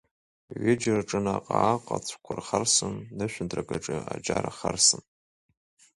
Ҩыџьа рҿы наҟ-ааҟ аҵәқәа рхарсын, нышәынҭрак аҿы аџьар ахарсын.